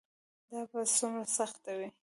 دا به څومره سخت وي.